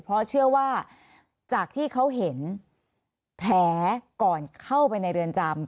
เพราะเชื่อว่าจากที่เขาเห็นแผลก่อนเข้าไปในเรือนจำ